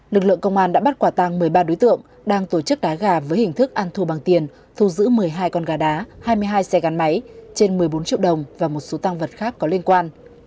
lực lượng công an đã bắt quả tăng một mươi ba đối tượng đang tổ chức đá gà với hình thức ăn thua bằng tiền thu giữ một mươi hai con gà đá hai mươi hai xe gắn máy trên một mươi bốn triệu đồng và một số tăng vật khác có liên quan